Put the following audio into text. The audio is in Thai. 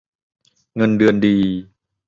เงินเดือนดี